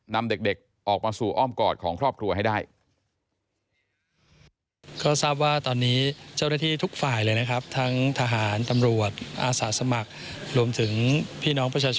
นำเด็กออกมาสู่อ้อมกอดของครอบครัวให้ได้